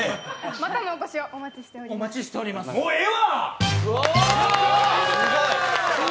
またのお越しをお待ちしております。